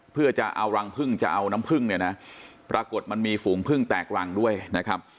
เพื่อจะเอารังพึ่งจะเอาน้ำพึ่งเนี่ยนะปรากฏมันมีฝูงพึ่งแตกรังด้วยนะครับ